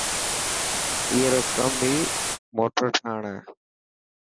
اي رو ڪم ئي موٽر ٺاهڻ هي.